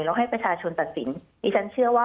แล้วให้ประชาชนตัดสินดิฉันเชื่อว่า